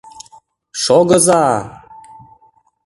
«Шогыза-а!